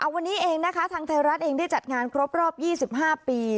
วันนี้เองนะคะทางไทยรัฐเองได้จัดงานครบรอบ๒๕ปี